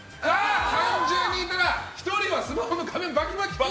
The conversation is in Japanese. ３０人いたら１人はスマホの画面バキバキ。